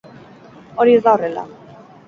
Hori ez da horrela